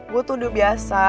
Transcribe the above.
gue tuh udah biasa